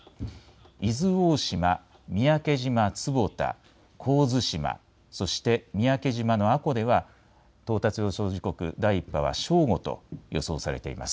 伊豆大島、三宅島坪田、神津島、そして三宅島の阿古では到達予想時刻、第１波は正午と予想されています。